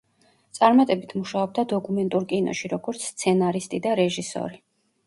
წარმატებით მუშაობდა დოკუმენტურ კინოში, როგორც სცენარისტი და რეჟისორი.